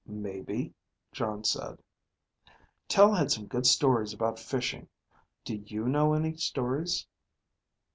"Maybe," Jon said. "Tel had some good stories about fishing. Do you know any stories?"